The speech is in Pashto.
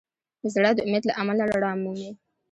زړه د امید له امله رڼا مومي.